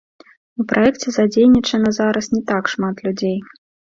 У праекце задзейнічана зараз не так шмат людзей.